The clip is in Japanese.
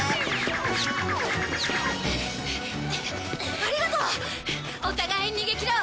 ありがとう！お互い逃げ切ろう！